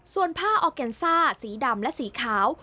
ส่วนผ้าออร์แกนซ่าสีดำและสีขาว